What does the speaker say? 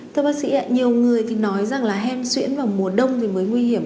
thưa bác sĩ nhiều người nói rằng hen xuyễn vào mùa đông mới nguy hiểm